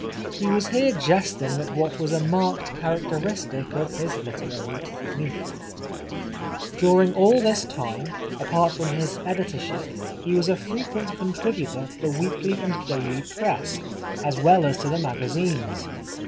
He was here jesting at what was a marked characteristic of his literary technique. During all this time, apart from his editor ship, he was a frequent contributor to the weekly and daily press, as well as to the s 273 The Life of Oscar Wilde magazines.